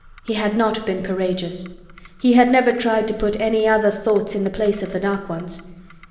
He had not been courageous; he had never tried to put any other thoughts in the place of the dark ones.